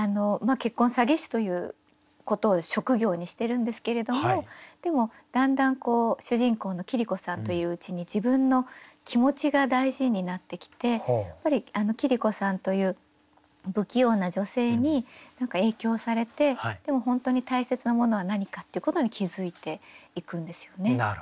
結婚詐欺師ということを職業にしてるんですけれどもでもだんだん主人公の桐子さんといるうちに自分の気持ちが大事になってきてやっぱり桐子さんという不器用な女性に何か影響されてでも本当に大切なものは何かっていうことに気付いていくんですよね。